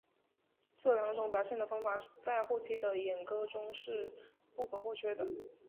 这两种表现的方法在后期的演歌中是不可或缺的。